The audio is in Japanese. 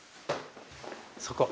そこ。